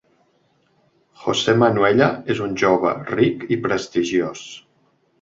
José Manuella és un jove ric i prestigiós.